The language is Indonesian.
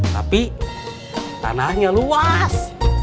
tapi tanahnya luas